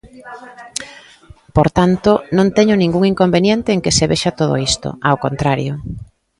Por tanto, non teño ningún inconveniente en que se vexa todo isto, ao contrario.